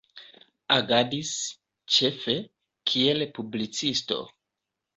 Agadis, ĉefe, kiel publicisto.